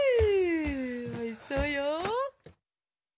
おいしそうよ。